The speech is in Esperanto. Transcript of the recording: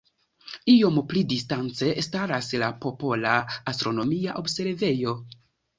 Iom pli distance staras la Popola astronomia observejo.